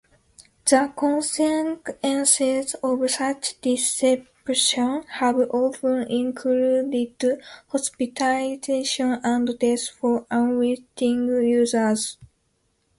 The consequences of such deception have often included hospitalization and death for unwitting users.